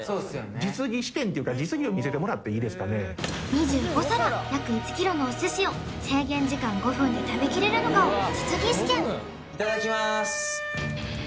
２５皿約１ｋｇのお寿司を制限時間５分で食べきれるのかを実技試験いただきまーす